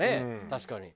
確かに。